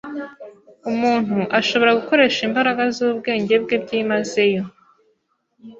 Umuntu ashobora gukoresha imbaraga z’ubwenge bwe byimazeyo,